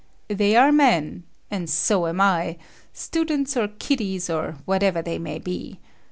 They are men and so am I—students or kiddies or whatever they may be.